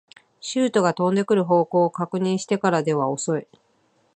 シュートが飛んでくる方向を確認してからでは遅い